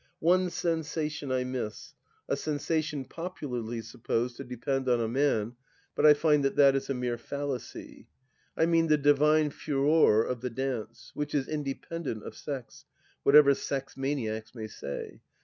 One sensation I miss, a sensation popularly supposed to depend on a man, but I find that that is a mere fallacy. I mean the divine furore of the dance, which is independent of sex, whatever sex maniacs may say.